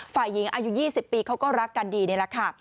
ฝ่ายหญิงอายุ๒๐ปีเขาก็รักกันดีนี่แหละค่ะ